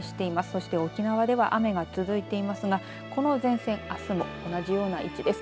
そして沖縄では雨が続いていますが、この前線あすも同じような位置です。